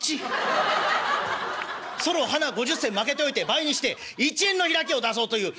「それをはな５０銭まけておいて倍にして１円の開きを出そうという。